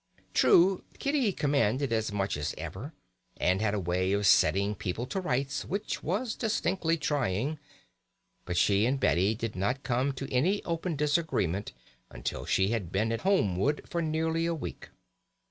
True, Kitty commanded as much as ever, and had a way of setting people to rights which was distinctly trying; but she and Betty did not come to any open disagreement until she had been at Holmwood for nearly a week.